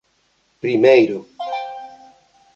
Primeiro.